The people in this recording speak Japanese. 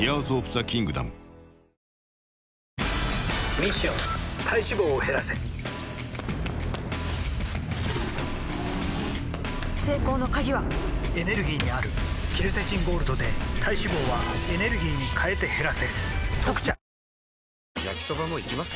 ミッション体脂肪を減らせ成功の鍵はエネルギーにあるケルセチンゴールドで体脂肪はエネルギーに変えて減らせ「特茶」焼きソバもいきます？